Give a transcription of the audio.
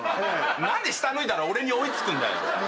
何で下脱いだら俺に追い付くんだよ？